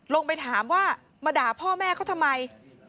ลงไปถามว่ามาด่าพ่อแม่เขาทำไม